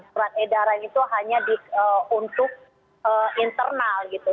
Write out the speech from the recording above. surat edaran itu hanya untuk internal gitu